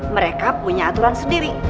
mereka punya aturan sendiri